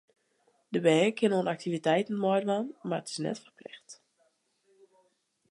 De bern kinne oan aktiviteiten meidwaan, mar it is net ferplicht.